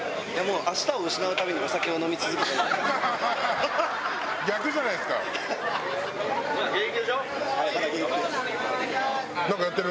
あしたを失うためにお酒を飲み続けている。